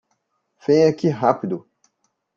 Venha aqui rápido!